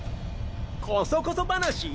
コソコソ話？